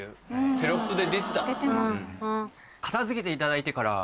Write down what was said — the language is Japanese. テロップで出てた。